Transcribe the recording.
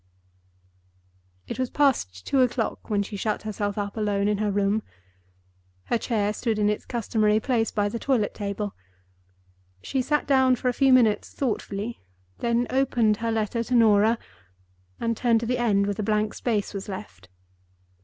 It was past two o'clock when she shut herself up alone in her room. Her chair stood in its customary place by the toilet table. She sat down for a few minutes thoughtfully, then opened her letter to Norah, and turned to the end where the blank space was left.